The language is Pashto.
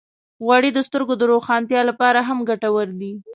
غوړې د سترګو د روښانتیا لپاره هم ګټورې دي.